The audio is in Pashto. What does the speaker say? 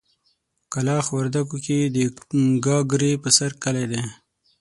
کلاخ وردګو کې د ګاګرې په سر کلی دی.